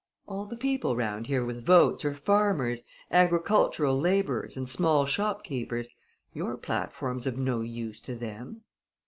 All the people round here with votes are farmers, agricultural laborers and small shopkeepers. Your platform's of no use to them."